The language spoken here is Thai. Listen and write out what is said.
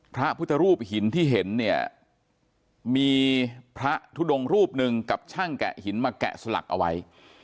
พระพุทธรูปหินที่เห็นเนี่ยมีพระทุดงรูปหนึ่งกับช่างแกะหินมาแกะสลักเอาไว้